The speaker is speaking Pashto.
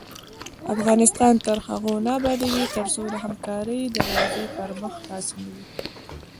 افغانستان تر هغو نه ابادیږي، ترڅو د همکارۍ دروازې پر مخ خلاصې نه وي.